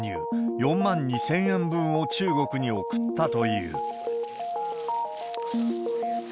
４万２０００円分を中国に送ったという。